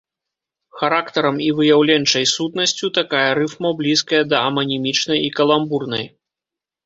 Характарам і выяўленчай сутнасцю такая рыфма блізкая да аманімічнай і каламбурнай.